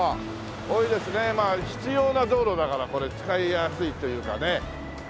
まあ必要な道路だからこれ使いやすいというかね。